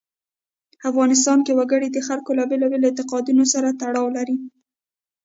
افغانستان کې وګړي د خلکو له بېلابېلو اعتقاداتو سره تړاو لري.